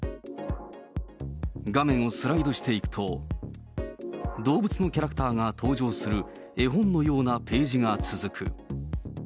画面をスライドしていくと、動物のキャラクターが登場する絵本のようなページが続く。